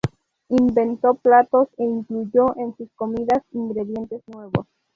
Inventó platos e incluyó en sus comidas ingredientes nuevos.